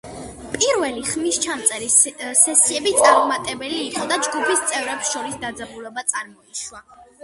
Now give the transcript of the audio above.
პირველი ხმისჩამწერი სესიები წარუმატებელი იყო და ჯგუფის წევრებს შორის დაძაბულობა წარმოიშვა.